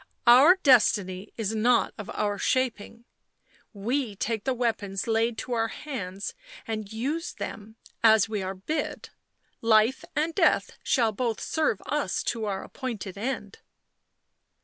" Our destiny is not of our shaping;— we take the weapons laid to our hands and used them as we are bid. Life and death shall both serve us to our appointed end."